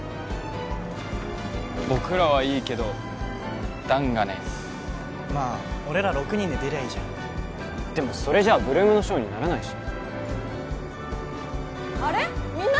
僕らはいいけど弾がねまあ俺ら６人で出りゃいいじゃんでもそれじゃあ８ＬＯＯＭのショーにならないしあれみんな？